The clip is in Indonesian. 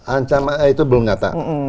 ancaman itu belum nyata